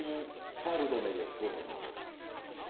シャルドネでございます」。